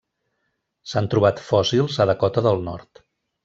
S'han trobat fòssils a Dakota del Nord.